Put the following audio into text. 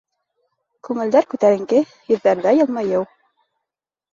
Күңелдәр күтәренке, йөҙҙәрҙә йылмайыу.